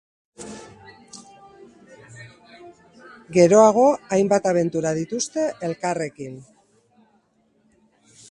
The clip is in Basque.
Geroago hainbat abentura dituzte elkarrekin.